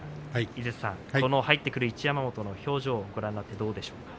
井筒さん、入ってくる一山本の表情をご覧になっていかがでしょうか。